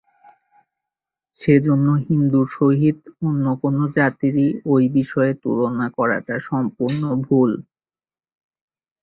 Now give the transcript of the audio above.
সেজন্য হিন্দুর সহিত অন্য কোন জাতিরই ঐ বিষয়ে তুলনা করাটা সম্পূর্ণ ভুল।